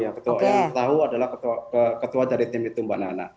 yang tahu adalah ketua dari tim itu mbak nana